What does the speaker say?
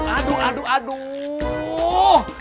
aduh aduh aduh